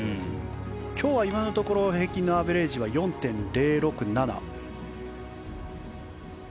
今日は今のところ平均アベレージは４．０６７。